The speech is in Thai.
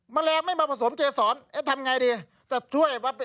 แมลงไม่มาผสมเจศรทำอย่างไรดี